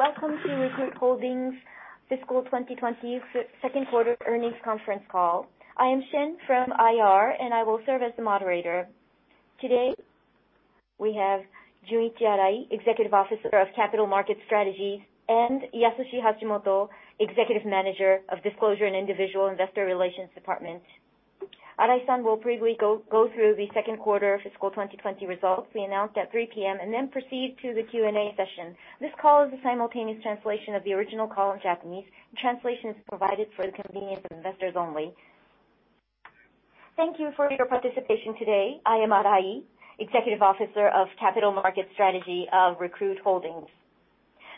Welcome to Recruit Holdings fiscal 2020 second quarter earnings conference call. I am Shin from IR, and I will serve as the moderator. Today, we have Junichi Arai, Executive Officer of Capital Market Strategies, and Yasushi Hashimoto, Executive Manager of Disclosure and Individual Investor Relations Department. Arai-san will briefly go through the second quarter fiscal 2020 results we announced at 3:00 P.M., and then proceed to the Q&A session. This call is a simultaneous translation of the original call in Japanese. Translation is provided for the convenience of investors only. Thank you for your participation today. I am Arai, Executive Officer of Capital Market Strategy of Recruit Holdings.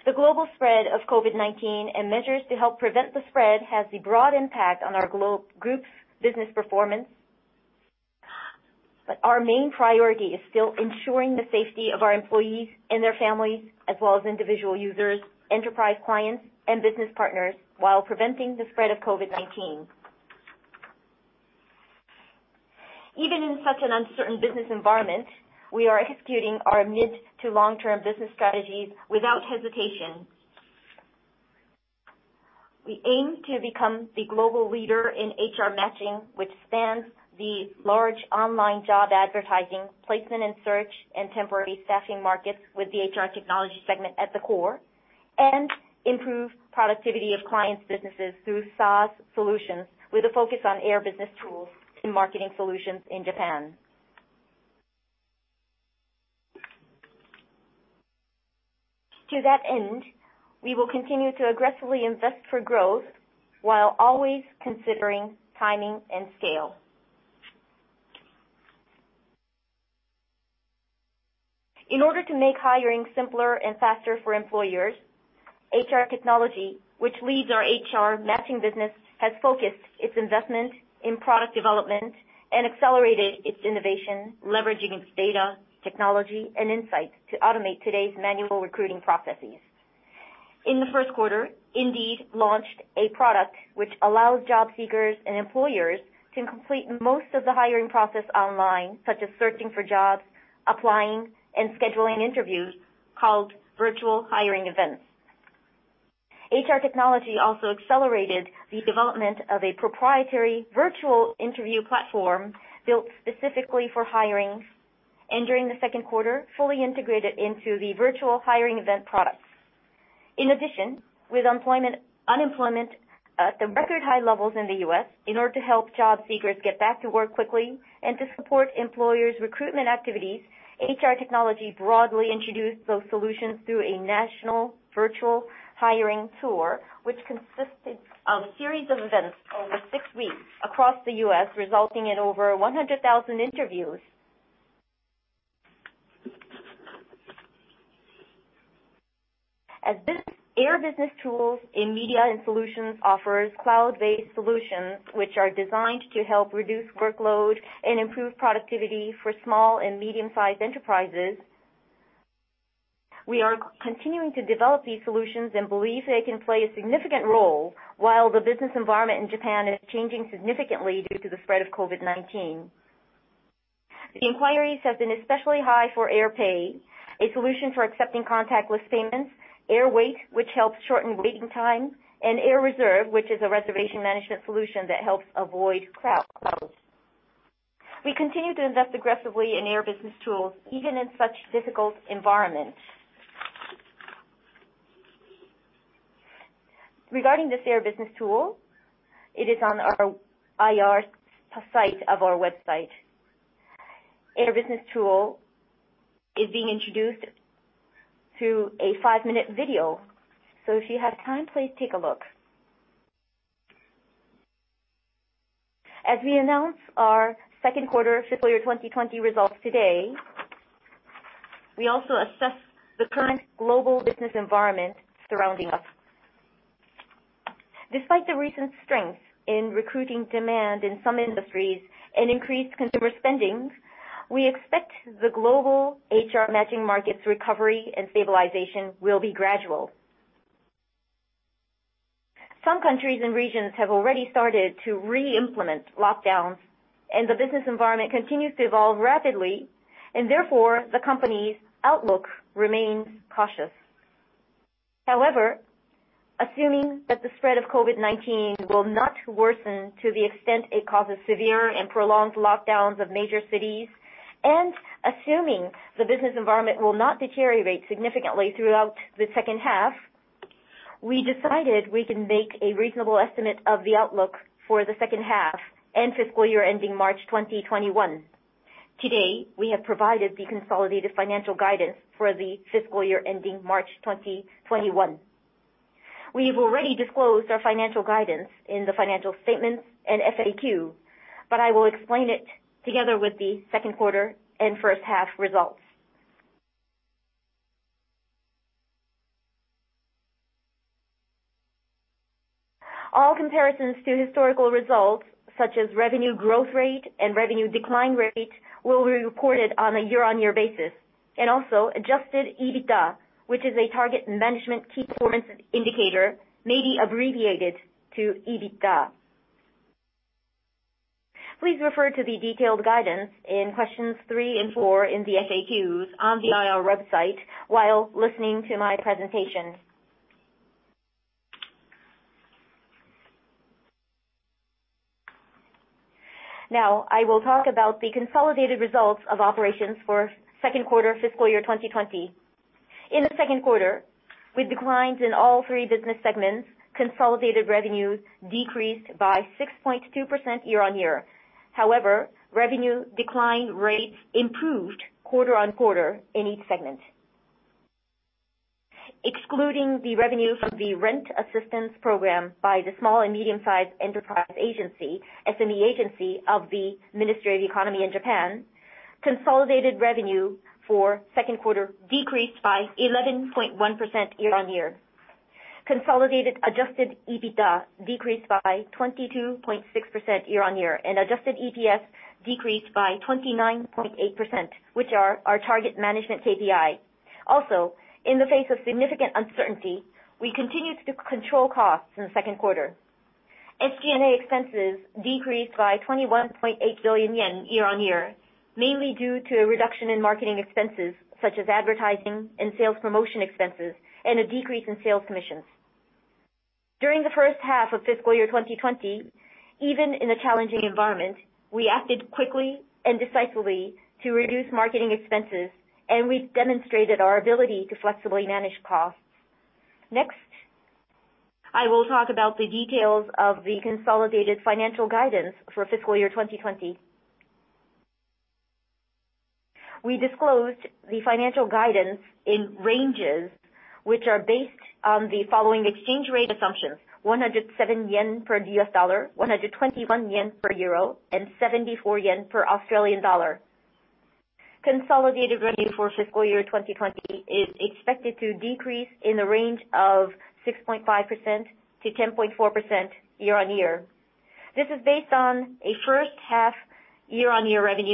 The global spread of COVID-19 and measures to help prevent the spread has a broad impact on our group's business performance. Our main priority is still ensuring the safety of our employees and their families, as well as individual users, enterprise clients, and business partners while preventing the spread of COVID-19. Even in such an uncertain business environment, we are executing our mid to long-term business strategies without hesitation. We aim to become the global leader in HR matching, which spans the large online job advertising, placement and search, and temporary staffing markets with the HR technology segment at the core, and improve productivity of clients' businesses through SaaS solutions, with a focus on Air Business Tools and Marketing Solutions in Japan. To that end, we will continue to aggressively invest for growth while always considering timing and scale. In order to make hiring simpler and faster for employers, HR technology, which leads our HR matching business, has focused its investment in product development and accelerated its innovation, leveraging its data, technology, and insight to automate today's manual recruiting processes. In the first quarter, Indeed launched a product which allows job seekers and employers to complete most of the hiring process online, such as searching for jobs, applying, and scheduling interviews, called Virtual Hiring Events. HR technology also accelerated the development of a proprietary virtual interview platform built specifically for hiring, and during the second quarter, fully integrated into the Virtual Hiring Event products. In addition, with unemployment at the record high levels in the U.S., in order to help job seekers get back to work quickly and to support employers' recruitment activities, HR technology broadly introduced those solutions through a national virtual hiring tour, which consisted of a series of events over 6 weeks across the U.S., resulting in over 100,000 interviews. As Air Business Tools in Media & Solutions offers cloud-based solutions which are designed to help reduce workload and improve productivity for small and medium-sized enterprises, we are continuing to develop these solutions and believe they can play a significant role while the business environment in Japan is changing significantly due to the spread of COVID-19. The inquiries have been especially high for AirPAY, a solution for accepting contactless payments, AirWAIT, which helps shorten waiting time, and AirRESERVE, which is a reservation management solution that helps avoid crowds. We continue to invest aggressively in Air Business Tools, even in such difficult environments. Regarding this Air Business Tool, it is on our IR site of our website. Air Business Tool is being introduced through a five-minute video. If you have time, please take a look. As we announce our second quarter fiscal year 2020 results today, we also assess the current global business environment surrounding us. Despite the recent strength in recruiting demand in some industries and increased consumer spending, we expect the global HR matching market's recovery and stabilization will be gradual. Some countries and regions have already started to re-implement lockdowns, and the business environment continues to evolve rapidly, and therefore, the company's outlook remains cautious. However, assuming that the spread of COVID-19 will not worsen to the extent it causes severe and prolonged lockdowns of major cities, and assuming the business environment will not deteriorate significantly throughout the second half, we decided we can make a reasonable estimate of the outlook for the second half and fiscal year ending March 2021. Today, we have provided the consolidated financial guidance for the fiscal year ending March 2021. We've already disclosed our financial guidance in the financial statements and FAQ, but I will explain it together with the second quarter and first half results. All comparisons to historical results, such as revenue growth rate and revenue decline rate, will be reported on a year-on-year basis. Adjusted EBITDA, which is a target management key performance indicator, may be abbreviated to EBITDA. Please refer to the detailed guidance in questions three and four in the FAQs on the IR website while listening to my presentation. I will talk about the consolidated results of operations for second quarter fiscal year 2020. In the second quarter, with declines in all three business segments, consolidated revenues decreased by 6.2% year-on-year. Revenue decline rates improved quarter-on-quarter in each segment. Excluding the revenue from the rent assistance program by the Small and Medium Enterprise Agency, SME Agency of the Ministry of Economy in Japan, consolidated revenue for second quarter decreased by 11.1% year-on-year. Consolidated adjusted EBITDA decreased by 22.6% year-on-year, and adjusted EPS decreased by 29.8%, which are our target management KPI. In the face of significant uncertainty, we continued to control costs in the second quarter. SG&A expenses decreased by 21.8 billion yen year-on-year, mainly due to a reduction in marketing expenses, such as advertising and sales promotion expenses, and a decrease in sales commissions. During the first half of fiscal year 2020, even in a challenging environment, we acted quickly and decisively to reduce marketing expenses, and we've demonstrated our ability to flexibly manage costs. Next, I will talk about the details of the consolidated financial guidance for fiscal year 2020. We disclosed the financial guidance in ranges, which are based on the following exchange rate assumptions: 107 yen per USD, JPY 121 per EUR, and JPY 74 per AUD. Consolidated revenue for fiscal year 2020 is expected to decrease in the range of 6.5%-10.4% year-on-year. This is based on a first half year-on-year revenue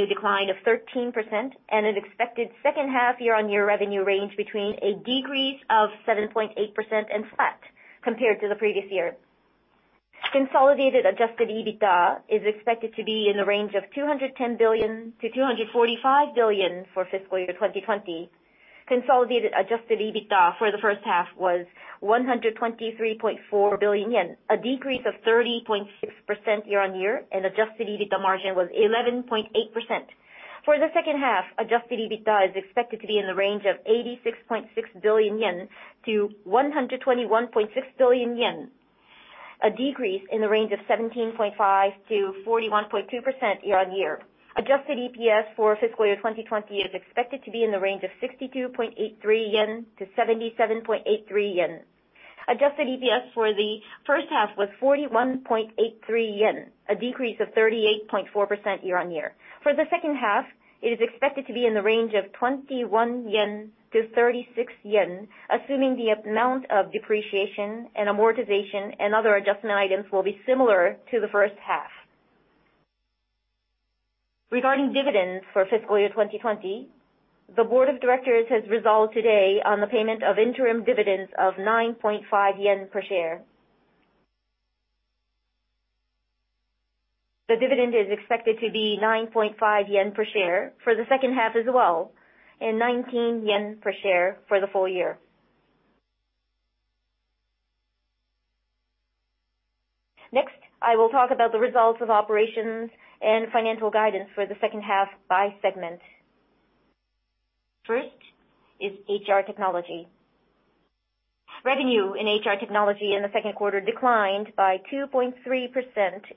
decline of 13% and an expected second half year-on-year revenue range between a decrease of 7.8% and flat compared to the previous year. Consolidated adjusted EBITDA is expected to be in the range of 210 billion-245 billion for fiscal year 2020. Consolidated adjusted EBITDA for the first half was 123.4 billion yen, a decrease of 30.6% year-on-year, and adjusted EBITDA margin was 11.8%. For the second half, adjusted EBITDA is expected to be in the range of 86.6 billion-121.6 billion yen. A decrease in the range of 17.5%-41.2% year-on-year. Adjusted EPS for fiscal year 2020 is expected to be in the range of 62.83-77.83 yen. Adjusted EPS for the first half was 41.83 yen, a decrease of 38.4% year-on-year. For the second half, it is expected to be in the range of 21-36 yen, assuming the amount of depreciation and amortization and other adjustment items will be similar to the first half. Regarding dividends for fiscal year 2020, the board of directors has resolved today on the payment of interim dividends of 9.5 yen per share. The dividend is expected to be 9.5 yen per share for the second half as well and 19 yen per share for the full year. I will talk about the results of operations and financial guidance for the second half by segment. HR technology. Revenue in HR technology in the second quarter declined by 2.3%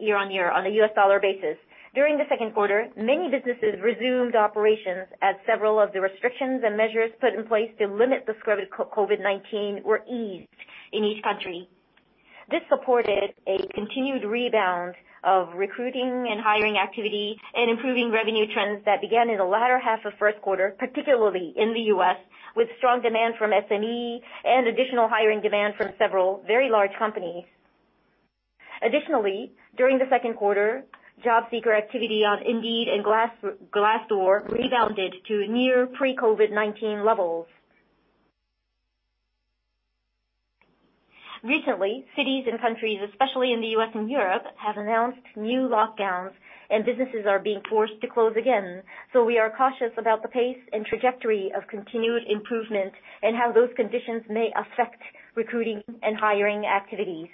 year-on-year on a U.S. dollar basis. During the second quarter, many businesses resumed operations as several of the restrictions and measures put in place to limit the spread of COVID-19 were eased in each country. This supported a continued rebound of recruiting and hiring activity and improving revenue trends that began in the latter half of first quarter, particularly in the U.S., with strong demand from SME and additional hiring demand from several very large companies. Additionally, during the second quarter, job seeker activity on Indeed and Glassdoor rebounded to near pre-COVID-19 levels. Recently, cities and countries, especially in the U.S. and Europe, have announced new lockdowns, and businesses are being forced to close again. We are cautious about the pace and trajectory of continued improvement and how those conditions may affect recruiting and hiring activities.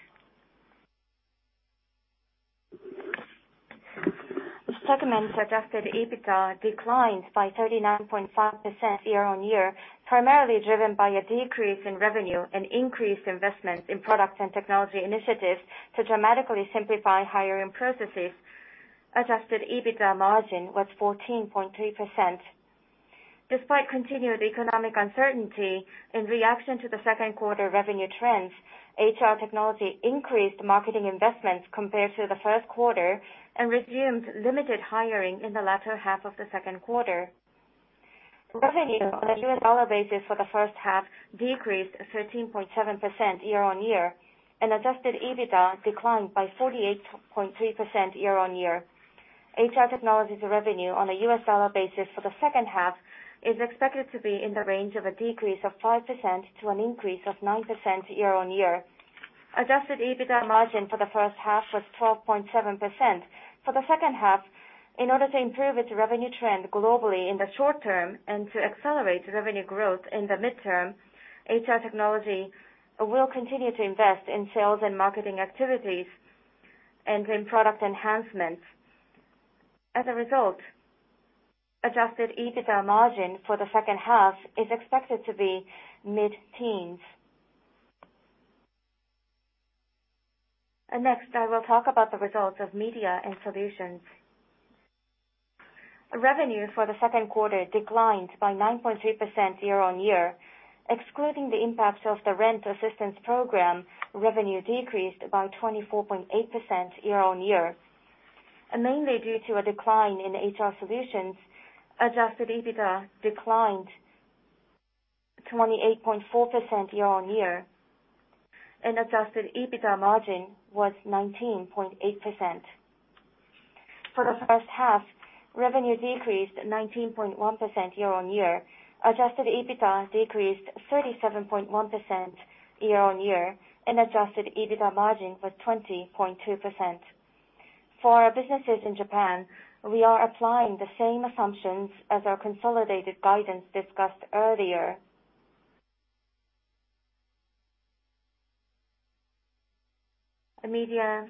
The segment's adjusted EBITDA declined by 39.5% year-on-year, primarily driven by a decrease in revenue and increased investment in product and technology initiatives to dramatically simplify hiring processes. Adjusted EBITDA margin was 14.3%. Despite continued economic uncertainty, in reaction to the second quarter revenue trends, HR technology increased marketing investments compared to the first quarter and resumed limited hiring in the latter half of the second quarter. Revenue on a U.S. dollar basis for the first half decreased 13.7% year-on-year, and adjusted EBITDA declined by 48.3% year-on-year. HR technologies revenue on a U.S. dollar basis for the second half is expected to be in the range of a decrease of 5% to an increase of 9% year-on-year. Adjusted EBITDA margin for the first half was 12.7%. For the second half, in order to improve its revenue trend globally in the short term and to accelerate revenue growth in the midterm, HR Technology will continue to invest in sales and marketing activities and in product enhancements. As a result, adjusted EBITDA margin for the second half is expected to be mid-teens. Next, I will talk about the results of Media & Solution. Revenue for the second quarter declined by 9.3% year-on-year. Excluding the impact of the rent assistance program, revenue decreased by 24.8% year-on-year. Mainly due to a decline in HR Solutions, adjusted EBITDA declined 28.4% year-on-year, and adjusted EBITDA margin was 19.8%. For the first half, revenue decreased 19.1% year-on-year, adjusted EBITDA decreased 37.1% year-on-year, and adjusted EBITDA margin was 20.2%. For our businesses in Japan, we are applying the same assumptions as our consolidated guidance discussed earlier. The Media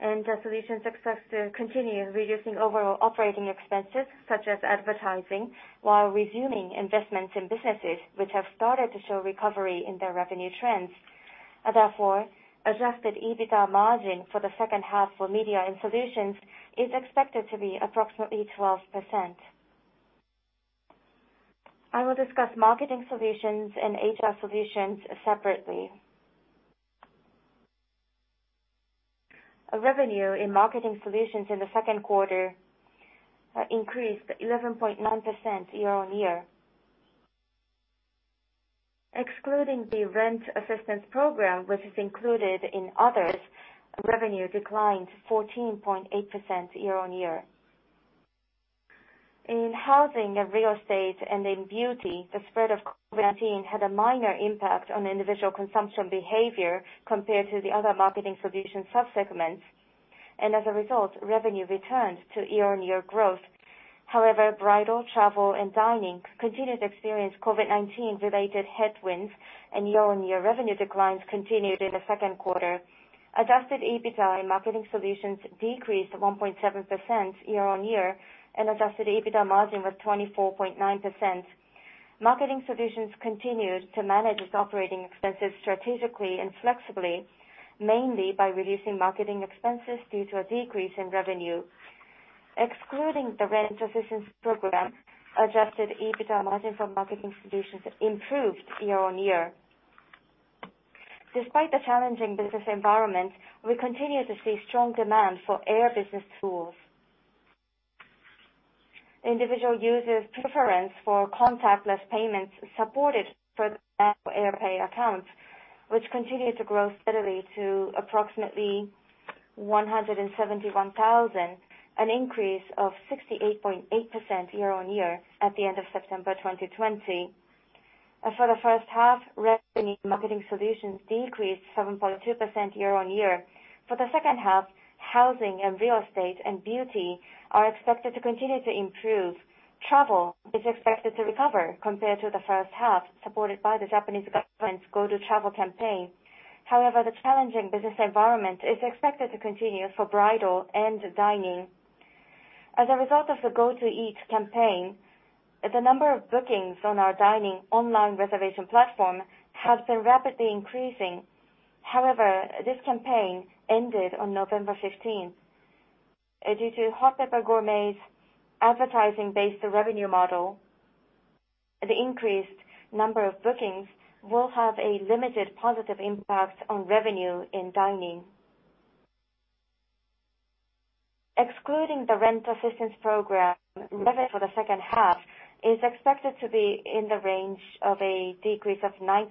& Solution success to continue reducing overall operating expenses, such as advertising, while resuming investments in businesses which have started to show recovery in their revenue trends. Adjusted EBITDA margin for the second half for Media & Solution is expected to be approximately 12%. I will discuss Marketing Solutions and HR Solutions separately. Revenue in Marketing Solutions in the second quarter increased 11.9% year-on-year. Excluding the rent assistance program, which is included in others, revenue declined 14.8% year-on-year. In housing and real estate and in beauty, the spread of COVID-19 had a minor impact on individual consumption behavior compared to the other Marketing Solutions sub-segments, and as a result, revenue returned to year-on-year growth. However, bridal, travel, and dining continued to experience COVID-19 related headwinds, and year-on-year revenue declines continued in the second quarter. Adjusted EBITDA in Marketing Solutions decreased 1.7% year-on-year, and adjusted EBITDA margin was 24.9%. Marketing Solutions continued to manage its operating expenses strategically and flexibly, mainly by reducing marketing expenses due to a decrease in revenue. Excluding the rent assistance program, adjusted EBITDA margin for Marketing Solutions improved year-on-year. Despite the challenging business environment, we continue to see strong demand for Air Business Tools. Individual users' preference for contactless payments supported further Air Pay accounts, which continued to grow steadily to approximately 171,000, an increase of 68.8% year-on-year at the end of September 2020. For the first half, revenue Marketing Solutions decreased 7.2% year-on-year. For the second half, housing and real estate and beauty are expected to continue to improve. Travel is expected to recover compared to the first half, supported by the Japanese government's Go To Travel campaign. However, the challenging business environment is expected to continue for bridal and dining. As a result of the Go To Eat campaign, the number of bookings on our dining online reservation platform have been rapidly increasing. However, this campaign ended on November 15th. Due to Hot Pepper Gourmet's advertising-based revenue model, the increased number of bookings will have a limited positive impact on revenue in dining. Excluding the rent assistance program, revenue for the second half is expected to be in the range of a decrease of 9%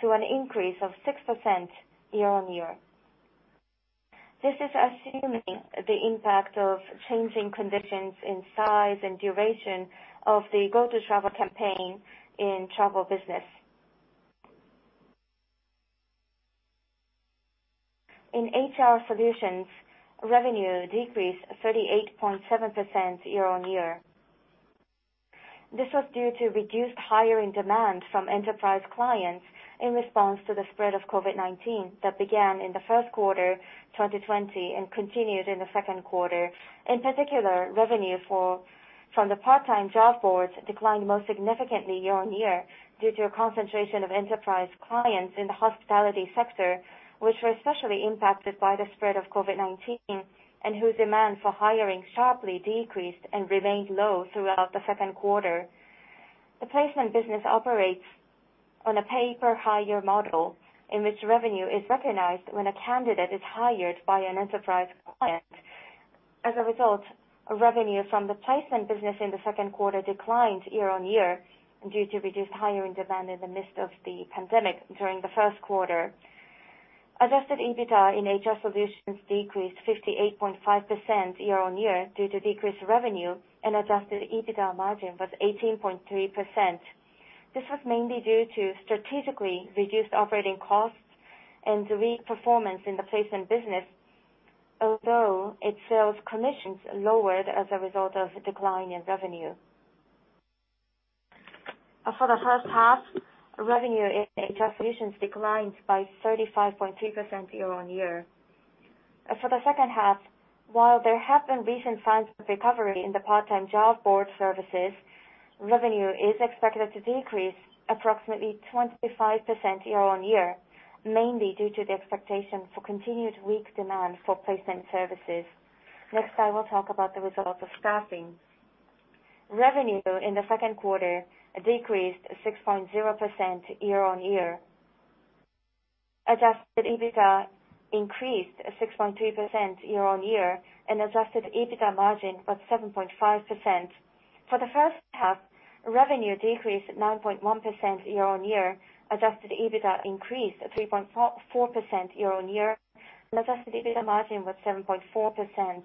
to an increase of 6% year-on-year. This is assuming the impact of changing conditions in size and duration of the Go To Travel campaign in travel business. In HR Solutions, revenue decreased 38.7% year-on-year. This was due to reduced hiring demand from enterprise clients in response to the spread of COVID-19 that began in the 1st quarter 2020 and continued in the 2nd quarter. In particular, revenue from the part-time job boards declined most significantly year-on-year due to a concentration of enterprise clients in the hospitality sector, which were especially impacted by the spread of COVID-19 and whose demand for hiring sharply decreased and remained low throughout the 2nd quarter. The placement business operates on a pay-per-hire model in which revenue is recognized when a candidate is hired by an enterprise client. As a result, revenue from the placement business in the 2nd quarter declined year-on-year due to reduced hiring demand in the midst of the pandemic during the 1st quarter. Adjusted EBITDA in HR Solutions decreased 58.5% year-on-year due to decreased revenue and adjusted EBITDA margin was 18.3%. This was mainly due to strategically reduced operating costs and weak performance in the placement business, although its sales commissions lowered as a result of a decline in revenue. For the first half, revenue in HR Solutions declined by 35.3% year-on-year. For the second half, while there have been recent signs of recovery in the part-time job board services, revenue is expected to decrease approximately 25% year-on-year, mainly due to the expectation for continued weak demand for placement services. I will talk about the results of staffing. Revenue in the second quarter decreased 6.0% year-on-year. Adjusted EBITDA increased 6.3% year-on-year, and adjusted EBITDA margin was 7.5%. For the first half, revenue decreased 9.1% year-on-year, adjusted EBITDA increased 3.4% year-on-year, and adjusted EBITDA margin was 7.4%.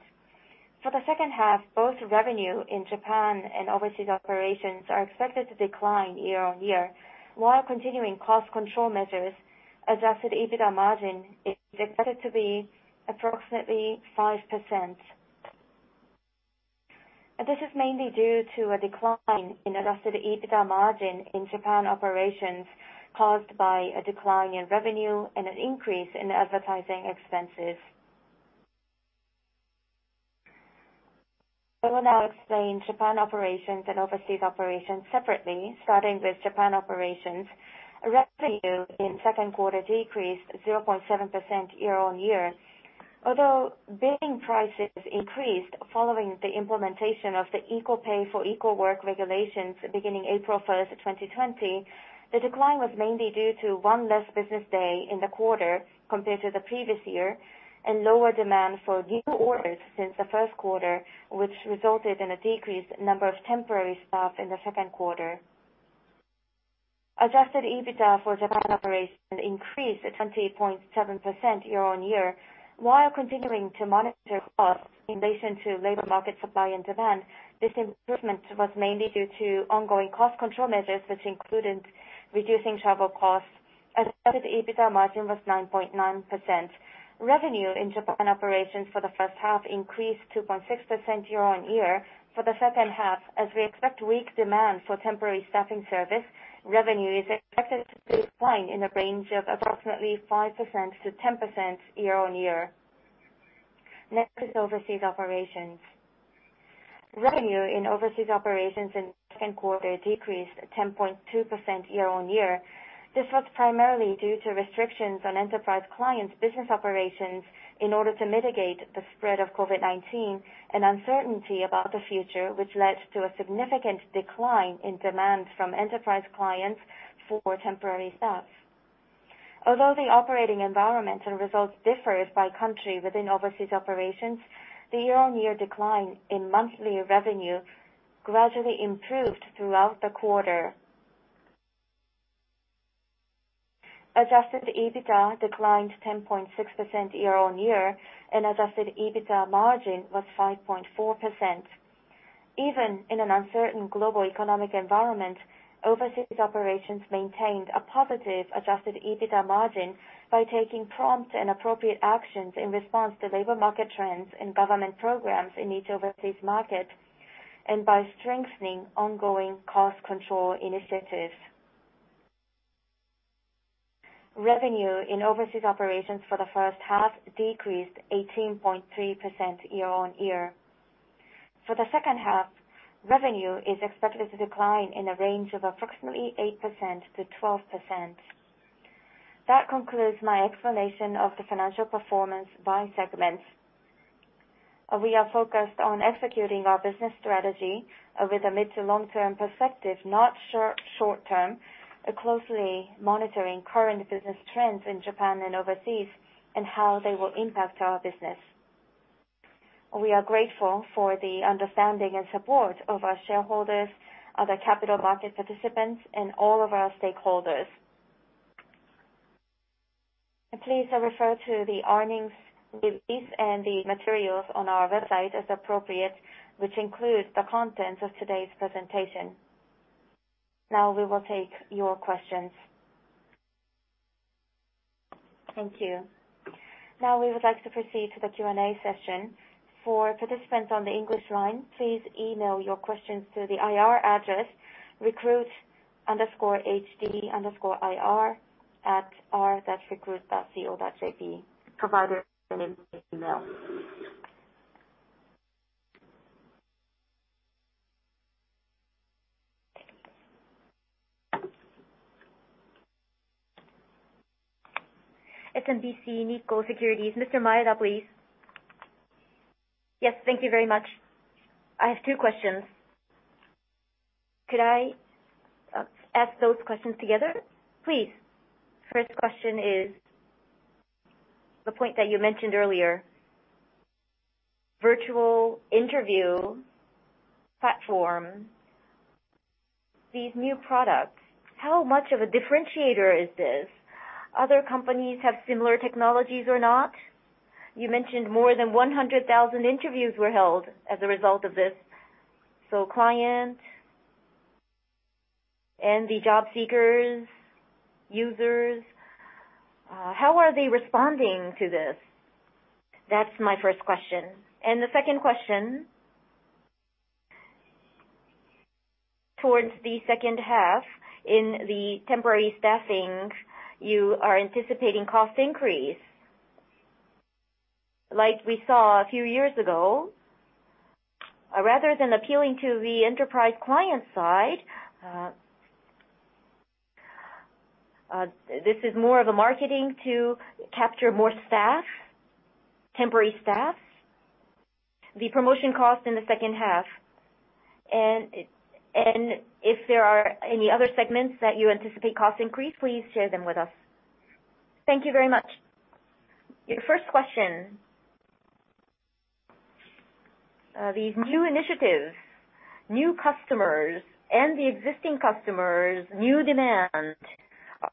For the second half, both revenue in Japan and overseas operations are expected to decline year-on-year. While continuing cost control measures, adjusted EBITDA margin is expected to be approximately 5%. This is mainly due to a decline in adjusted EBITDA margin in Japan operations caused by a decline in revenue and an increase in advertising expenses. I will now explain Japan operations and overseas operations separately, starting with Japan operations. Revenue in the second quarter decreased 0.7% year-on-year. Although billing prices increased following the implementation of the Equal Pay for Equal Work regulations beginning April 1st, 2020, the decline was mainly due to one less business day in the quarter compared to the previous year and lower demand for new orders since the first quarter, which resulted in a decreased number of temporary staff in the second quarter. Adjusted EBITDA for Japan operations increased 20.7% year-on-year. While continuing to monitor costs in relation to labor market supply in Japan, this improvement was mainly due to ongoing cost control measures, which included reducing travel costs. Adjusted EBITDA margin was 9.9%. Revenue in Japan operations for the first half increased 2.6% year-on-year. For the second half, as we expect weak demand for temporary staffing service, revenue is expected to decline in a range of approximately 5%-10% year-on-year. Next is overseas operations. Revenue in overseas operations in the second quarter decreased 10.2% year-on-year. This was primarily due to restrictions on enterprise clients' business operations in order to mitigate the spread of COVID-19 and uncertainty about the future, which led to a significant decline in demand from enterprise clients for temporary staff. Although the operating environment and results differed by country within overseas operations, the year-on-year decline in monthly revenue gradually improved throughout the quarter. Adjusted EBITDA declined 10.6% year-on-year, and adjusted EBITDA margin was 5.4%. Even in an uncertain global economic environment, overseas operations maintained a positive adjusted EBITDA margin by taking prompt and appropriate actions in response to labor market trends and government programs in each overseas market and by strengthening ongoing cost control initiatives. Revenue in overseas operations for the first half decreased 18.3% year-on-year. For the second half, revenue is expected to decline in the range of approximately 8%-12%. That concludes my explanation of the financial performance by segments. We are focused on executing our business strategy with a mid to long-term perspective, not short-term, closely monitoring current business trends in Japan and overseas and how they will impact our business. We are grateful for the understanding and support of our shareholders, other capital market participants, and all of our stakeholders. Please refer to the earnings release and the materials on our website as appropriate, which include the content of today's presentation. We will take your questions. Thank you. We would like to proceed to the Q&A session. For participants on the English line, please email your questions to the IR address, recruit_hd_ir@r.recruit.co.jp. Provider will email. SMBC Nikko Securities, Mr. Maeda, please. Yes. Thank you very much. I have two questions. Could I ask those questions together? Please. First question is the point that you mentioned earlier, virtual interview platform, these new products, how much of a differentiator is this? Other companies have similar technologies or not? You mentioned more than 100,000 interviews were held as a result of this. Clients and the job seekers, users, how are they responding to this? That's my first question. The second question, towards the second half in the temporary staffing, you are anticipating cost increase. Like we saw a few years ago, rather than appealing to the enterprise client side, this is more of a marketing to capture more temporary staff? The promotion cost in the second half, and if there are any other segments that you anticipate cost increase, please share them with us. Thank you very much. Your first question. These new initiatives, new customers and the existing customers, new demand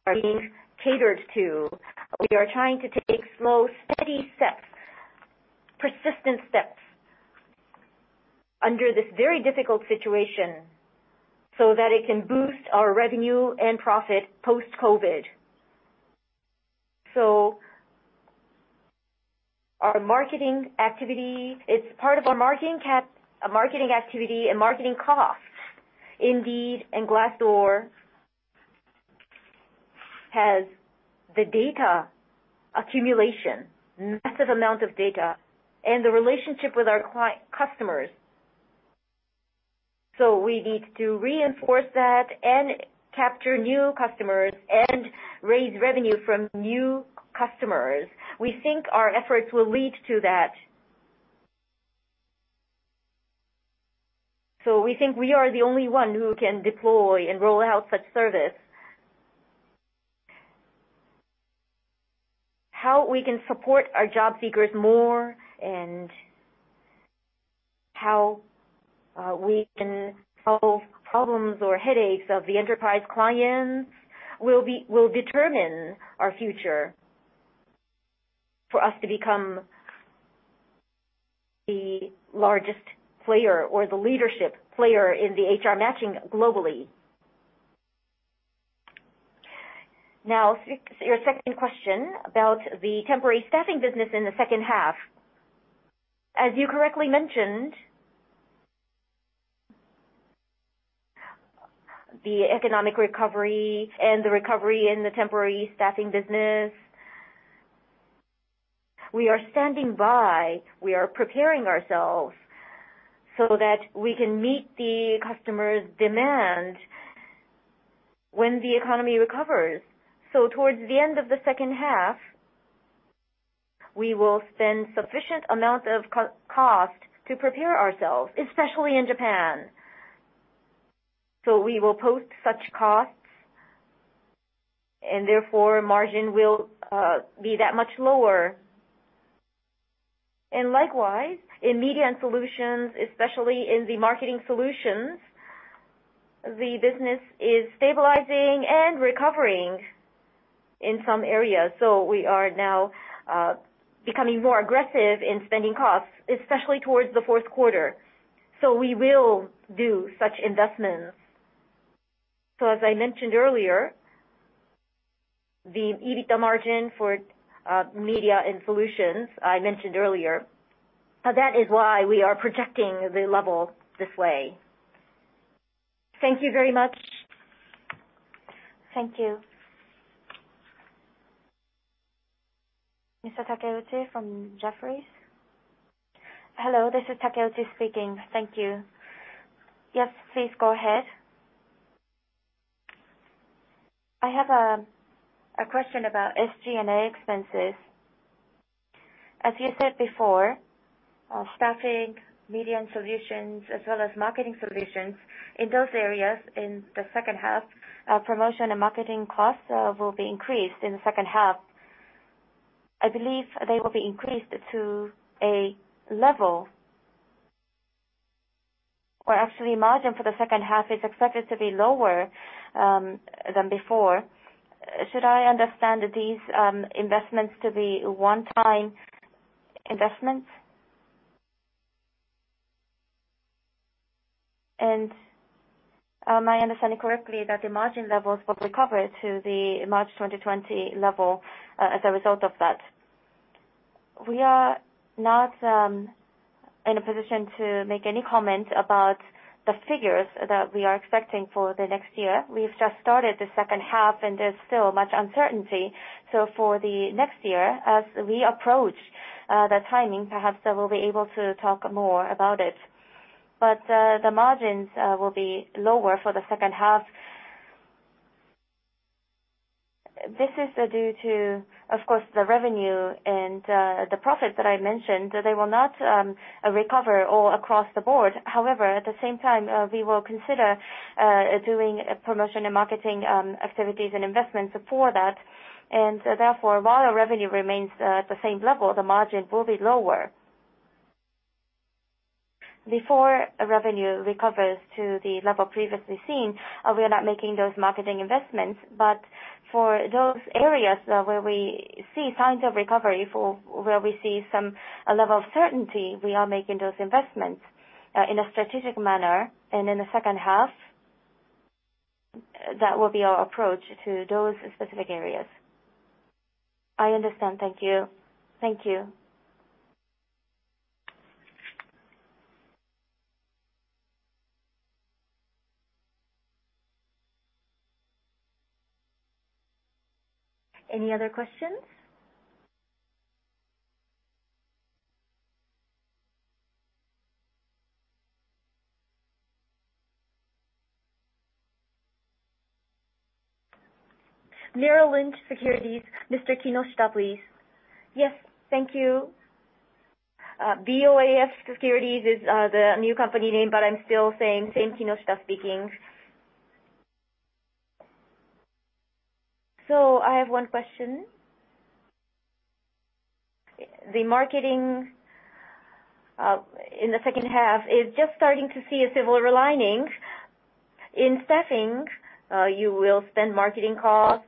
are being catered to. We are trying to take slow, steady steps, persistent steps under this very difficult situation so that it can boost our revenue and profit post-COVID-19. Our marketing activity, it's part of our marketing activity and marketing cost. Indeed and Glassdoor has the data accumulation, massive amount of data, and the relationship with our customers. We need to reinforce that and capture new customers and raise revenue from new customers. We think our efforts will lead to that. We think we are the only one who can deploy and roll out such service. How we can support our job seekers more and how we can solve problems or headaches of the enterprise clients will determine our future for us to become the largest player or the leadership player in the HR matching globally. Now, your second question about the temporary staffing business in the second half. As you correctly mentioned, the economic recovery and the recovery in the temporary staffing business, we are standing by, we are preparing ourselves so that we can meet the customers' demand when the economy recovers. Towards the end of the second half, we will spend sufficient amount of cost to prepare ourselves, especially in Japan. We will post such costs, and therefore margin will be that much lower. Likewise, in Media & Solution, especially in the Marketing Solutions, the business is stabilizing and recovering in some areas. We are now becoming more aggressive in spending costs, especially towards the fourth quarter. We will do such investments. As I mentioned earlier, the EBITDA margin for Media & Solution I mentioned earlier, that is why we are projecting the level this way. Thank you very much. Thank you. Mr. Takeuchi from Jefferies. Hello, this is Takeuchi speaking. Thank you. Yes, please go ahead. I have a question about SG&A expenses. As you said before, staffing, Media & Solution, as well as Marketing Solutions, in those areas in the second half, promotion and marketing costs will be increased in the second half. I believe they will be increased to a level, or actually margin for the second half is expected to be lower than before. Should I understand these investments to be one-time investments? Am I understanding correctly that the margin levels will recover to the March 2020 level as a result of that? We are not in a position to make any comment about the figures that we are expecting for the next year. We've just started the second half, and there's still much uncertainty. For the next year, as we approach the timing, perhaps I will be able to talk more about it. The margins will be lower for the second half. This is due to, of course, the revenue and the profit that I mentioned. They will not recover all across the board. However, at the same time, we will consider doing promotion and marketing activities and investments for that. Therefore, while our revenue remains at the same level, the margin will be lower. Before revenue recovers to the level previously seen, we are not making those marketing investments. For those areas where we see signs of recovery, where we see a level of certainty, we are making those investments in a strategic manner. In the second half, that will be our approach to those specific areas. I understand. Thank you. Thank you. Any other questions? Merrill Lynch Securities, Mr. Kinoshita, please. Yes, thank you. BofA Securities is the new company name, but I'm still the same, Kinoshita speaking. I have one question. The marketing in the second half is just starting to see a silver lining. In staffing, you will spend marketing costs,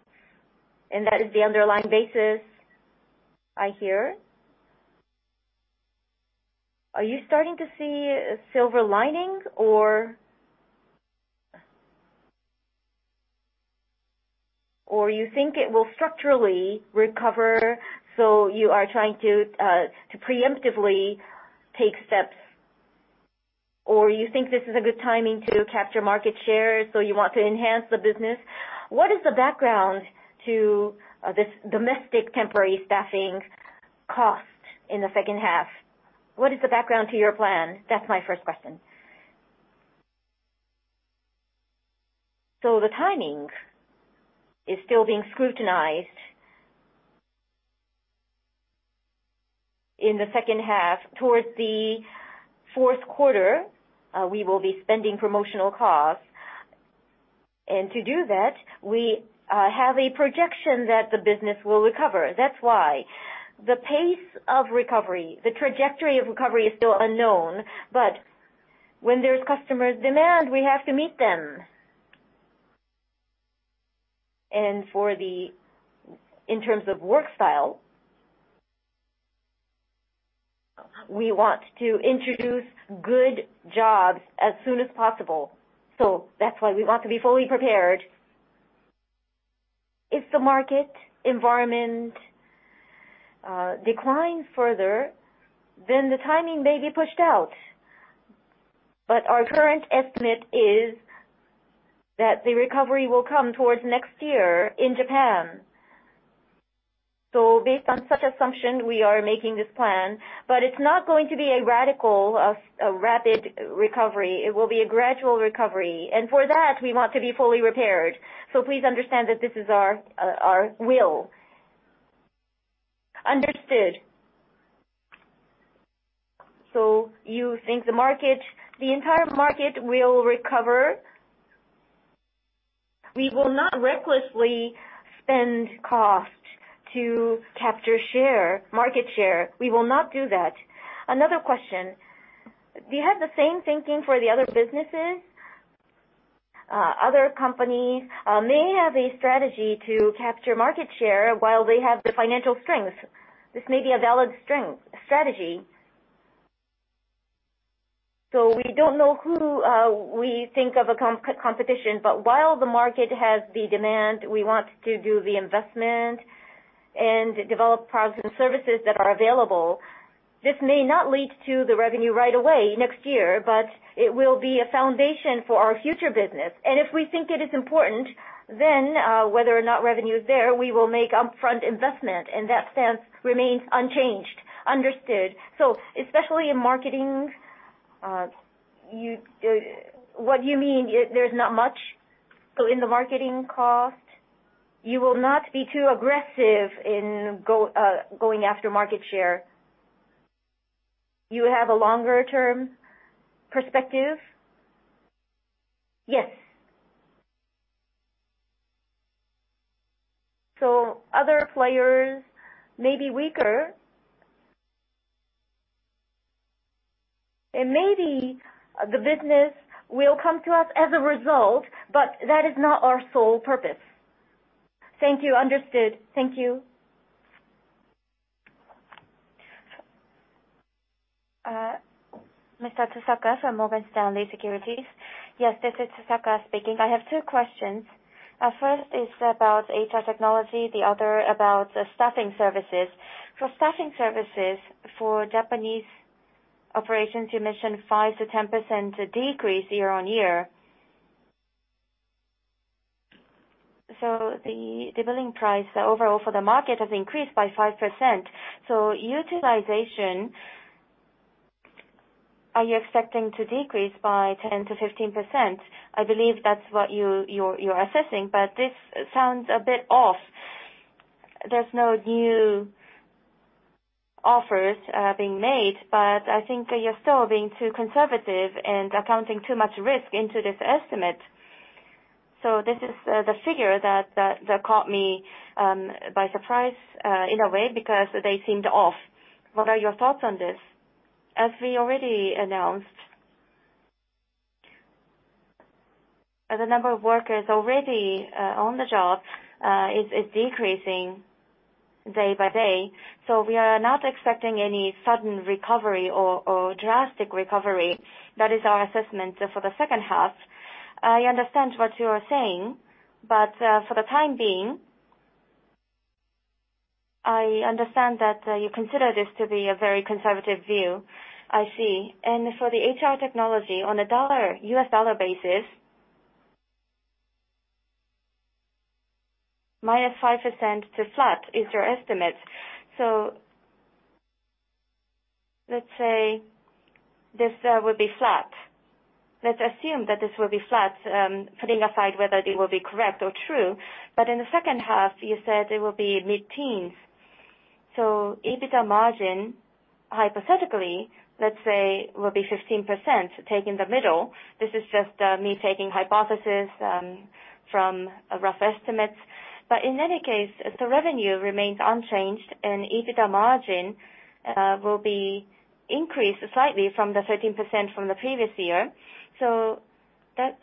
and that is the underlying basis I hear. Are you starting to see a silver lining, or you think it will structurally recover, so you are trying to preemptively take steps? Or you think this is a good timing to capture market share, so you want to enhance the business? What is the background to this domestic temporary staffing cost in the second half? What is the background to your plan? That's my first question. The timing is still being scrutinized. In the second half, towards the fourth quarter, we will be spending promotional costs. To do that, we have a projection that the business will recover. That's why. The pace of recovery, the trajectory of recovery is still unknown, but when there's customer demand, we have to meet them. In terms of work style, we want to introduce good jobs as soon as possible. That's why we want to be fully prepared. If the market environment declines further, then the timing may be pushed out. Our current estimate is that the recovery will come towards next year in Japan. Based on such assumption, we are making this plan. It's not going to be a radical, a rapid recovery. It will be a gradual recovery. For that, we want to be fully prepared. Please understand that this is our will. Understood. You think the entire market will recover? We will not recklessly spend cost to capture market share. We will not do that. Another question. Do you have the same thinking for the other businesses? Other companies may have a strategy to capture market share while they have the financial strength. This may be a valid strategy. We don't know who we think of as competition, but while the market has the demand, we want to do the investment and develop products and services that are available. This may not lead to the revenue right away next year, but it will be a foundation for our future business. If we think it is important, whether or not revenue is there, we will make upfront investment. That stance remains unchanged. Understood. Especially in marketing, what do you mean there's not much? In the marketing cost, you will not be too aggressive in going after market share. You have a longer-term perspective? Yes. Other players may be weaker, and maybe the business will come to us as a result, but that is not our sole purpose. Thank you. Understood. Thank you. Mr. Tsusaka from Morgan Stanley Securities. This is Tsusaka speaking. I have two questions. First is about HR technology, the other about staffing services. For staffing services for Japanese operations, you mentioned 5%-10% decrease year-on-year. The billing price overall for the market has increased by 5%. Utilization, are you expecting to decrease by 10%-15%? I believe that's what you're assessing, but this sounds a bit off. There's no new offers being made, but I think you're still being too conservative and accounting too much risk into this estimate. This is the figure that caught me by surprise in a way, because they seemed off. What are your thoughts on this? As we already announced, the number of workers already on the job is decreasing day by day. We are not expecting any sudden recovery or drastic recovery. That is our assessment for the second half. I understand what you are saying, but for the time being, I understand that you consider this to be a very conservative view. I see. For the HR technology on a US dollar basis, -5% to flat is your estimate. Let's say this will be flat. Let's assume that this will be flat, putting aside whether it will be correct or true. In the second half you said it will be mid-teens. EBITDA margin, hypothetically, let's say will be 15% taking the middle. This is just me taking hypothesis from a rough estimate. In any case, if the revenue remains unchanged and EBITDA margin will be increased slightly from the 13% from the previous year. That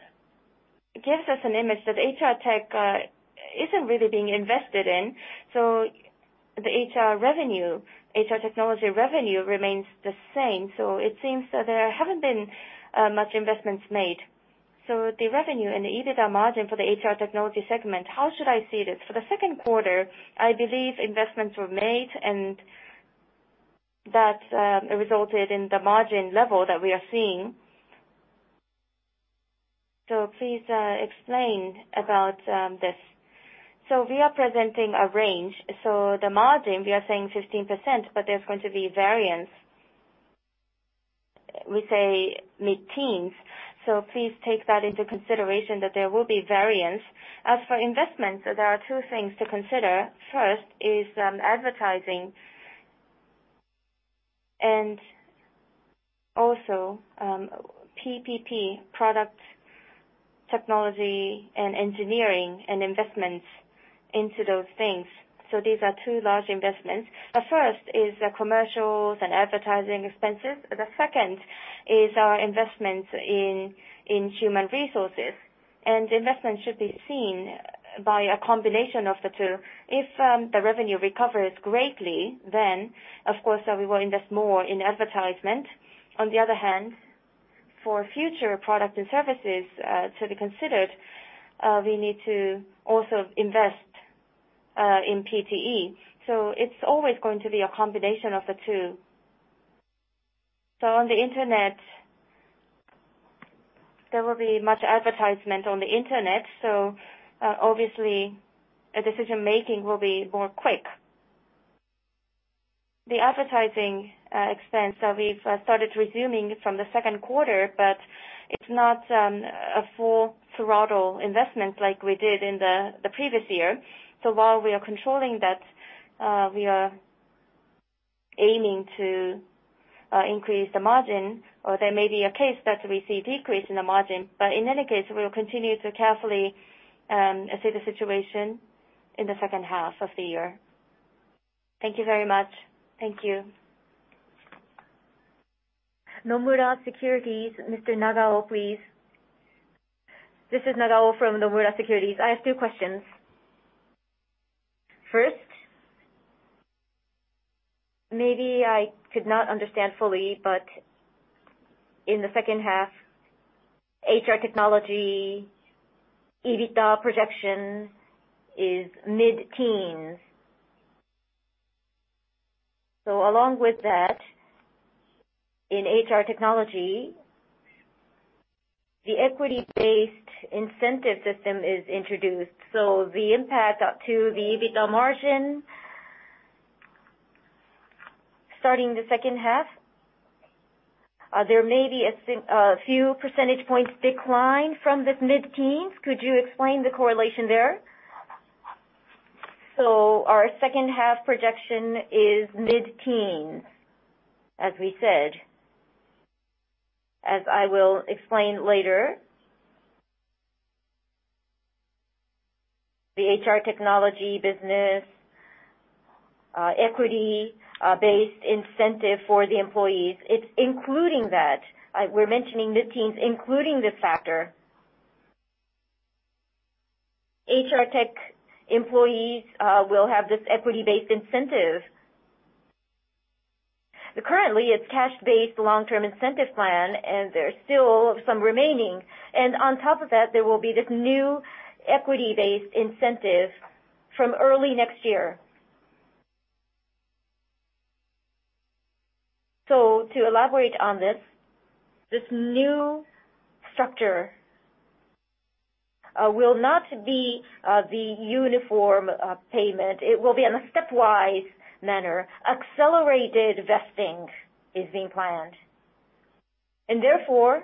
gives us an image that HR tech isn't really being invested in. The HR technology revenue remains the same, so it seems that there haven't been much investments made. The revenue and the EBITDA margin for the HR technology segment, how should I see this? For the second quarter, I believe investments were made and that resulted in the margin level that we are seeing. Please explain about this. We are presenting a range. The margin, we are saying 15%, but there's going to be variance. We say mid-teens. Please take that into consideration that there will be variance. As for investments, there are two things to consider. First is advertising and also PTE, Product, Technology and Engineering and investments into those things. These are two large investments. The first is the commercials and advertising expenses. The second is our investments in human resources. Investment should be seen by a combination of the two. If the revenue recovers greatly, then of course, we will invest more in advertisement. On the other hand, for future products and services to be considered, we need to also invest in PTE. It's always going to be a combination of the two. On the internet, there will be much advertisement on the internet. Obviously decision making will be more quick. The advertising expense, we've started resuming from the second quarter, but it's not a full throttle investment like we did in the previous year. While we are controlling that, we are aiming to increase the margin or there may be a case that we see decrease in the margin. In any case, we will continue to carefully assess the situation in the second half of the year. Thank you very much. Thank you. Nomura Securities, Mr. Nagao, please. This is Nagao from Nomura Securities. I have two questions. First, maybe I could not understand fully, but in the second half, HR technology, adjusted EBITDA projection is mid-teens. Along with that, in HR technology, the equity-based incentive system is introduced. The impact to the adjusted EBITDA margin starting the second half, there may be a few percentage points decline from this mid-teens. Could you explain the correlation there? Our second half projection is mid-teens. As we said, as I will explain later, the HR technology business, equity-based incentive for the employees, it's including that. We're mentioning mid-teens, including this factor. HR tech employees will have this equity-based incentive. Currently, it's cash-based long-term incentive plan, and there's still some remaining. On top of that, there will be this new equity-based incentive from early next year. To elaborate on this new structure will not be the uniform payment. It will be in a stepwise manner. Accelerated vesting is being planned. Therefore,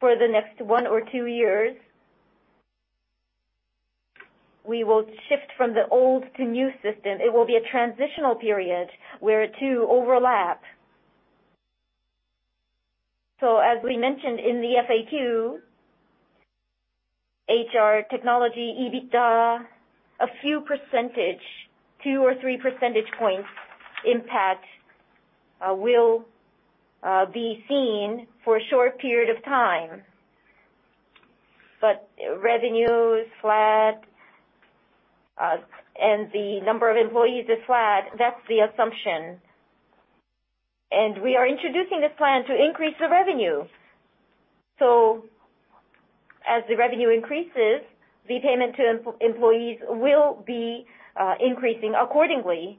for the next one or two years We will shift from the old to new system. It will be a transitional period where the two overlap. As we mentioned in the FAQ, HR technology, EBITDA, a few percentage, two or three percentage points impact will be seen for a short period of time. Revenue is flat, and the number of employees is flat. That's the assumption. We are introducing this plan to increase the revenue. As the revenue increases, the payment to employees will be increasing accordingly.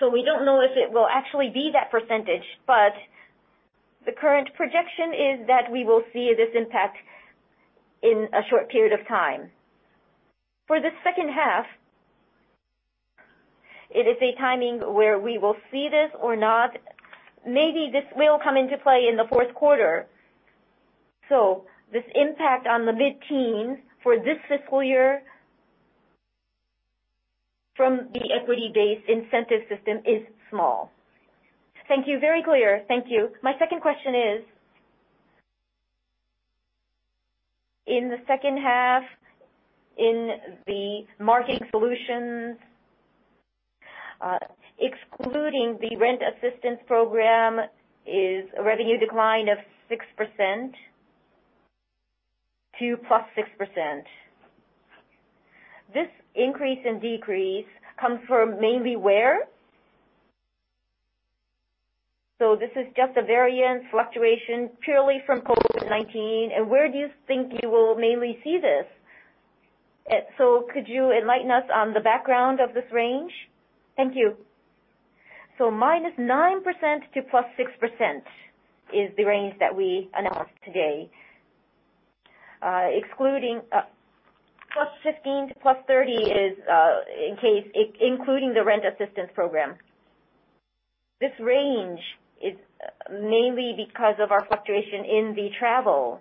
We don't know if it will actually be that percentage, but the current projection is that we will see this impact in a short period of time. For the second half, it is a timing where we will see this or not. Maybe this will come into play in the fourth quarter. This impact on the mid-teen for this fiscal year from the equity-based incentive system is small. Thank you. Very clear. Thank you. My second question is, in the second half, in the Marketing Solutions, excluding the rent assistance program, is a revenue decline of 6%-+6%. This increase and decrease comes from mainly where? This is just a variance fluctuation purely from COVID-19. And where do you think you will mainly see this? Could you enlighten us on the background of this range? Thank you. -9% - +6% is the range that we announced today. +15 - +30 is including the rent assistance program. This range is mainly because of our fluctuation in the travel.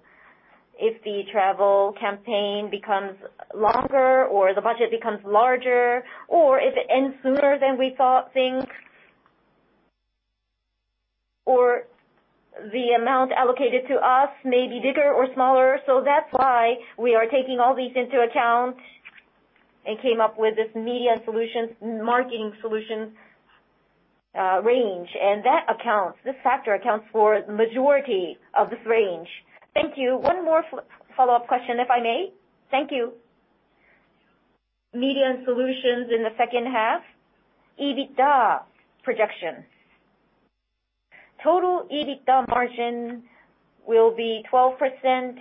If the travel campaign becomes longer or the budget becomes larger, or if it ends sooner than we think, or the amount allocated to us may be bigger or smaller. That's why we are taking all these into account and came up with this Marketing Solutions range. This factor accounts for the majority of this range. Thank you. One more follow-up question, if I may. Thank you. Media & Solution in the second half, EBITDA projection. Total adjusted EBITDA margin will be ±12%.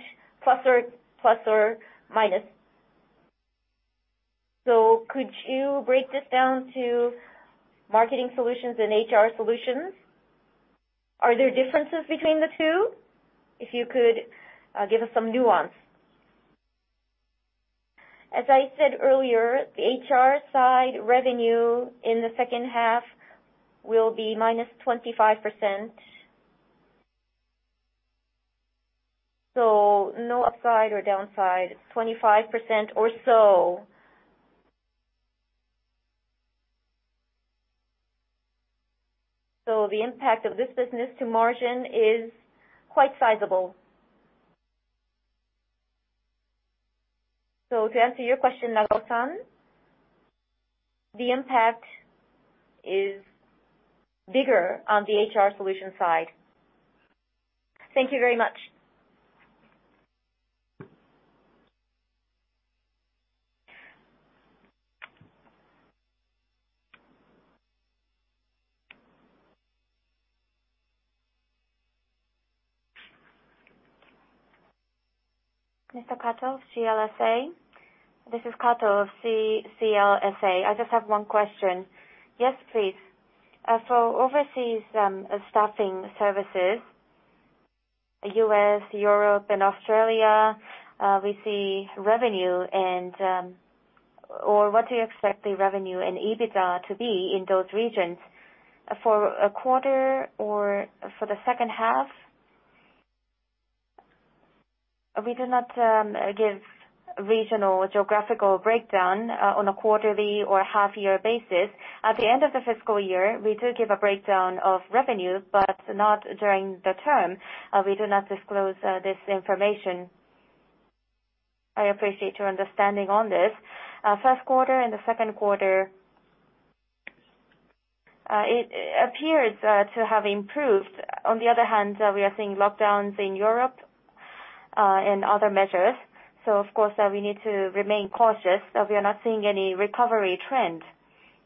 Could you break this down to Marketing Solutions and HR Solutions? Are there differences between the two? If you could give us some nuance. As I said earlier, the HR side revenue in the second half will be -25%. No upside or downside, 25% or so. The impact of this business to margin is quite sizable. To answer your question, Nagao-san, the impact is bigger on the HR Solutions side. Thank you very much. Mr. Kato of CLSA. This is Kato of CLSA. I just have one question. Yes, please. For overseas staffing services, U.S., Europe, and Australia, we see revenue, or what do you expect the revenue and EBITDA to be in those regions for a quarter or for the second half? We do not give regional geographical breakdown on a quarterly or half-year basis. At the end of the fiscal year, we do give a breakdown of revenue, but not during the term. We do not disclose this information. I appreciate your understanding on this. First quarter and the second quarter, it appears to have improved. On the other hand, we are seeing lockdowns in Europe and other measures. Of course, we need to remain cautious. We are not seeing any recovery trend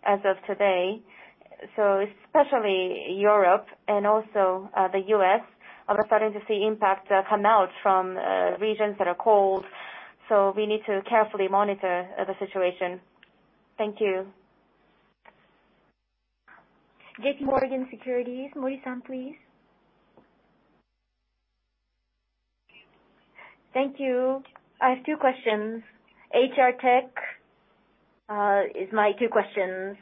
as of today. Especially Europe and also the U.S. are starting to see impact come out from regions that are cold. We need to carefully monitor the situation. Thank you. JPMorgan Securities. Mori-san, please. Thank you. I have two questions. HR tech is my two questions.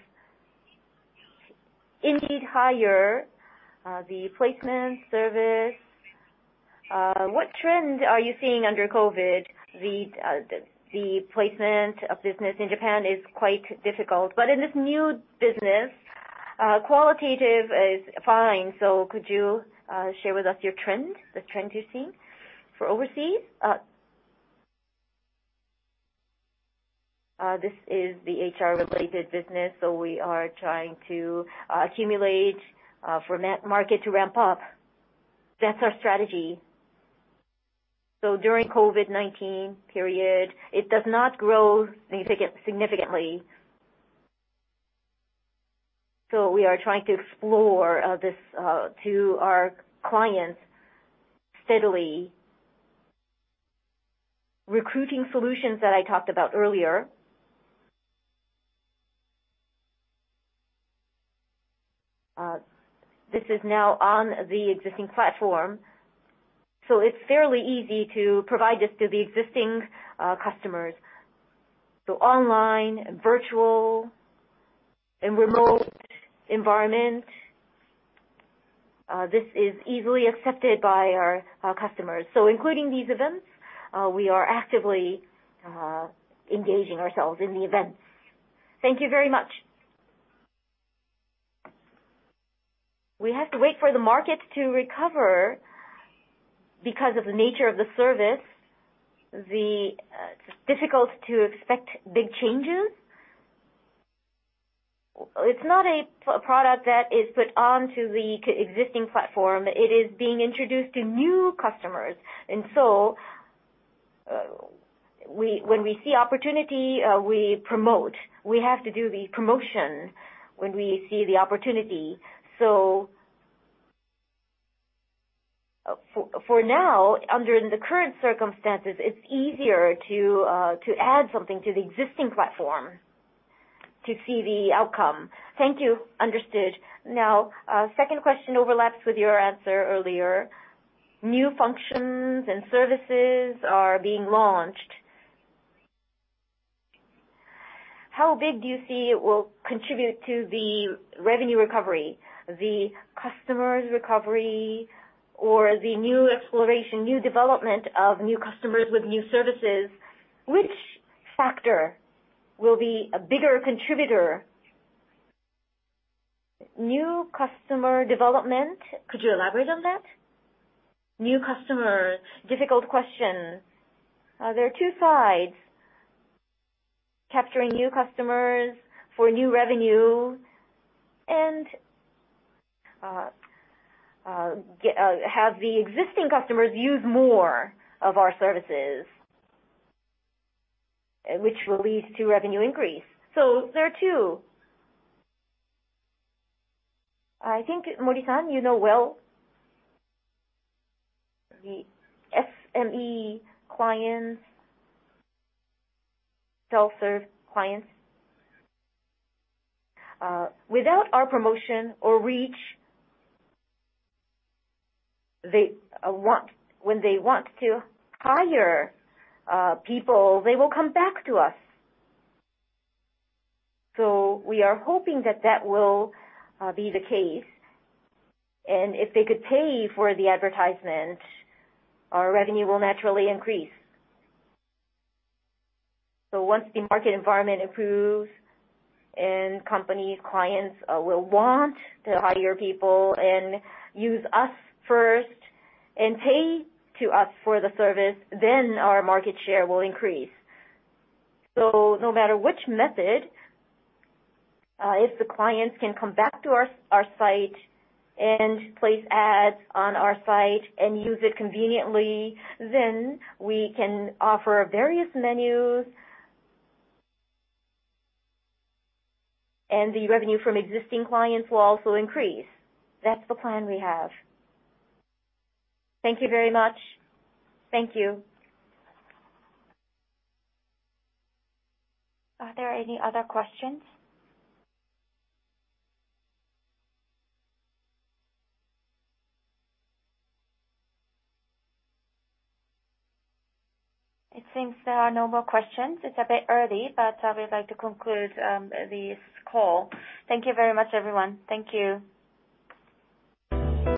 Indeed Hire, the placement service. What trend are you seeing under COVID-19? The placement of business in Japan is quite difficult, but in this new business, qualitative is fine. Could you share with us your trend, the trend you're seeing for overseas? This is the HR-related business. We are trying to accumulate for market to ramp up. That's our strategy. During COVID-19 period, it does not grow significantly. We are trying to explore this to our clients steadily. Recruiting solutions that I talked about earlier, this is now on the existing platform, it's fairly easy to provide this to the existing customers. Online, virtual, and remote environment, this is easily accepted by our customers. Including these events, we are actively engaging ourselves in the events. Thank you very much. We have to wait for the market to recover because of the nature of the service. It is difficult to expect big changes. It is not a product that is put onto the existing platform. It is being introduced to new customers. When we see opportunity, we promote. We have to do the promotion when we see the opportunity. For now, under the current circumstances, it is easier to add something to the existing platform to see the outcome. Thank you. Understood. Second question overlaps with your answer earlier. New functions and services are being launched. How big do you see it will contribute to the revenue recovery, the customer's recovery, or the new exploration, new development of new customers with new services? Which factor will be a bigger contributor? New customer development. Could you elaborate on that? New customers. Difficult question. There are two sides. Capturing new customers for new revenue and have the existing customers use more of our services, which will lead to revenue increase. There are two. I think, Mori-san, you know well the SME clients, self-serve clients. Without our promotion or reach, when they want to hire people, they will come back to us. We are hoping that that will be the case. If they could pay for the advertisement, our revenue will naturally increase. Once the market environment improves and companies, clients will want to hire people and use us first and pay to us for the service, then our market share will increase. No matter which method, if the clients can come back to our site and place ads on our site and use it conveniently, then we can offer various menus, and the revenue from existing clients will also increase. That's the plan we have. Thank you very much. Thank you. Are there any other questions? It seems there are no more questions. It's a bit early, but we would like to conclude this call. Thank you very much, everyone. Thank you.